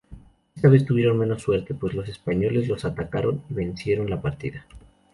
Esta vez tuvieron menos suerte pues los españoles los atacaron y vencieron la partida.